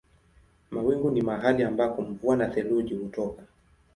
Mawingu ni mahali ambako mvua na theluji hutoka.